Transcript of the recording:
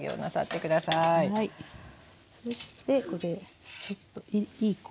そしてこれちょっといい子を。